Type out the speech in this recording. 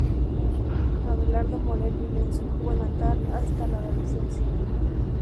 Abelardo Morell vivió en su Cuba natal hasta la adolescencia.